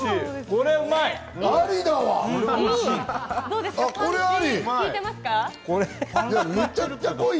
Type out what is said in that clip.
これうまい！